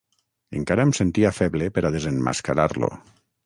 Encara em sentia feble per a desemmascarar-lo.